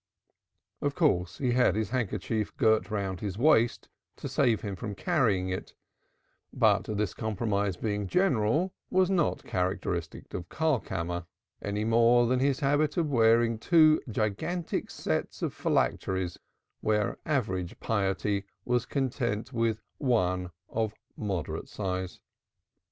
Of course he had his handkerchief girt round his waist to save him from carrying it, but this compromise being general was not characteristic of Karlkammer any more than his habit of wearing two gigantic sets of phylacteries where average piety was content with one of moderate size.